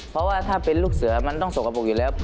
เพราะว่าถ้าเป็นลูกเสือมันต้องสกปรกอยู่แล้ว